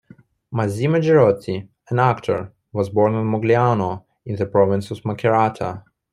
Massimo Girotti, an actor, was born in Mogliano in the province of Macerata.